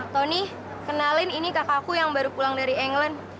tony kenalin ini kakakku yang baru pulang dari england